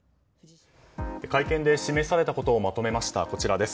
会見で示されたことをこちらにまとめました。